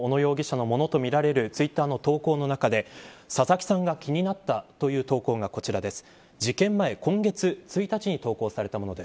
数々の小野容疑者のものとみられるツイッターの投稿の中で佐々木さんが気になったという投稿がこちらです。